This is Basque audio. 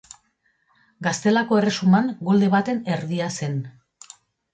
Gaztelako Erresuman golde baten erdia zen.